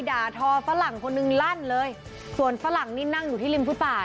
ด่าทอฝรั่งคนหนึ่งลั่นเลยส่วนฝรั่งนี่นั่งอยู่ที่ริมฟุตบาท